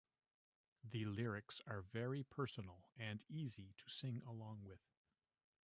The lyrics are very personal and easy to sing along with.